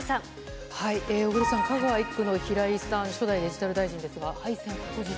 小栗さん、香川１区の平井さん、初代デジタル大臣ですが、敗戦確実。